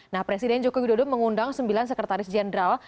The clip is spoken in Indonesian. nah presiden joko widodo mengundang sembilan sekretaris jenderal